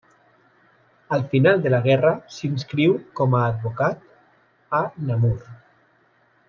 Al final de la guerra, s'inscriu com a advocat a Namur.